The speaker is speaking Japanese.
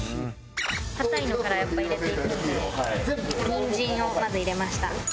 硬いのからやっぱ入れていくのでにんじんをまず入れました。